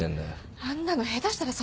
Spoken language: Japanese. あんなの下手したら訴訟問題。